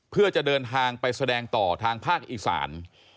เพื่อจะเดินทางไปแสดงต่อทางภาคอีสาน